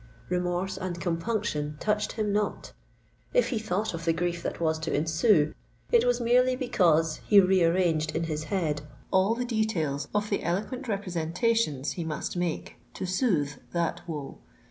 Remorse and compunction touched him not:—if he thought of the grief that was to ensue, it was merely because he re arranged in his head all the details of the eloquent representations he must make to soothe that woe!